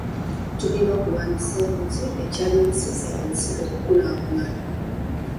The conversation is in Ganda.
Tulina okulwanyisa enguzi ekyalemesezza ensi okukulaakulana.